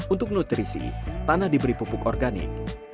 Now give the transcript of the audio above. untuk nutrisi tanah diberi pupuk organik